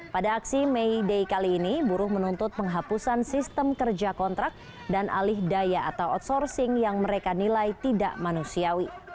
pada aksi may day kali ini buruh menuntut penghapusan sistem kerja kontrak dan alih daya atau outsourcing yang mereka nilai tidak manusiawi